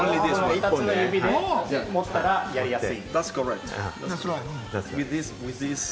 ２つの指で持ったらやりやすい。